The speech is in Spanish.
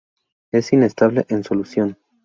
Es inestable en solución.